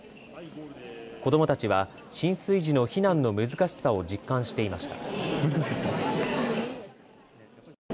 子どもたちは浸水時の避難の難しさを実感していました。